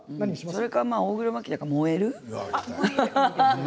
それか大黒摩季だから燃える？